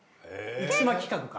生島企画か。